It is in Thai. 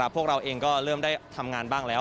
พวกเราเองก็เริ่มได้ทำงานบ้างแล้ว